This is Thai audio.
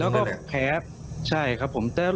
แล้วก็แพ้ใช่ครับผม